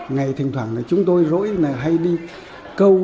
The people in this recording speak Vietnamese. ngày thỉnh thoảng chúng tôi rỗi hay đi câu